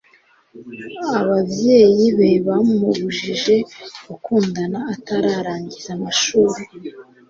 abavyeyibe bamubujije gukundana atararangiza amashure